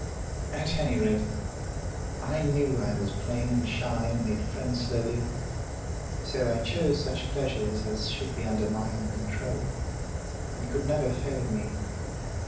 "At any rate, I knew I was plain and shy, and made friends slowly. So I chose such pleasures as should be under my own control, and could never fail me.